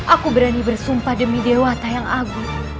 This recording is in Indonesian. aku berani bersumpah demi dewa tayang agung